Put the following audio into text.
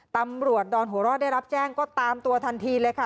ตำรวจดอนหัวรอดได้รับแจ้งก็ตามตัวทันทีเลยค่ะ